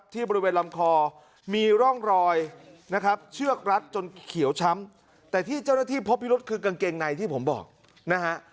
ที่บริเวณลำคอมีร่องรอยนะครับเชือกรัดจนเขียวช้ำแต่ที่เจ้าหน้าที่พบพิรุษคือกางเกงในที่ผมบอกนะฮะ